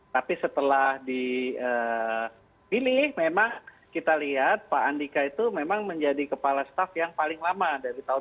tapi setelah dipilih memang kita lihat pak andika itu memang menjadi kepala staff yang paling lama dari tahun dua ribu